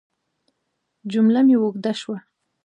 جمله مې اوږده شوه.